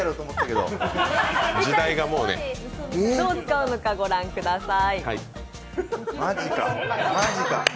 どう使うのか御覧ください。